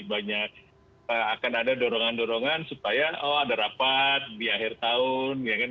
banyak akan ada dorongan dorongan supaya ada rapat di akhir tahun